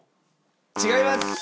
違います。